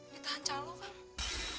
ditahan calon kang